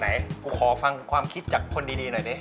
ไหนกูขอฟังความคิดจากคนดีหน่อยดิ